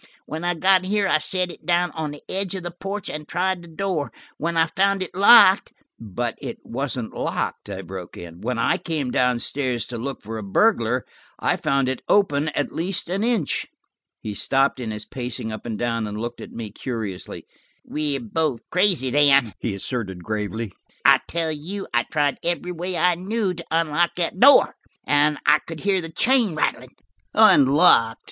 When I got here I set it down on the edge of the porch and tried the door. When I found it locked–" "But it wasn't locked," I broke in. "When I came down stairs to look for a burglar, I found it open at least an inch." He stopped in his pacing up and down, and looked at me curiously. "We're both crazy then," he asserted gravely. "I tell you, I tried every way I knew to unlock that door, and could hear the chain rattling. Unlocked!